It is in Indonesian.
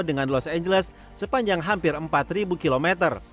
dengan los angeles sepanjang hampir empat km